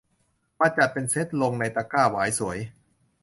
มาจัดเป็นเซตลงในตะกร้าหวายสวย